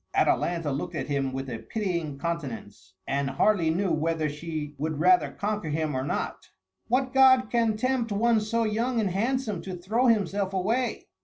Atalanta looked at him with a pitying countenance, and hardly knew whether she would rather conquer him or not. "What god can tempt one so young and handsome to throw himself away?